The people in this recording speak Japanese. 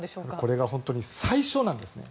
これが本当に最初なんですね。